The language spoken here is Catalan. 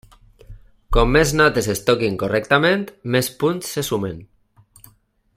Com més notes es toquin correctament, més punts se sumen.